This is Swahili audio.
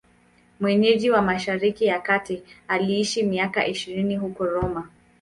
Mwenyeji wa Mashariki ya Kati, aliishi miaka ishirini huko Roma.